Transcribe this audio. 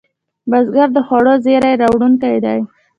بزګر د خوړو زېری راوړونکی دی